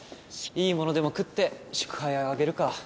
いいものでも食って祝杯を挙げるか。